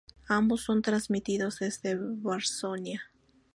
Ambos son transmitidos desde Varsovia.